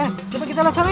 eh coba kita lecek sana yuk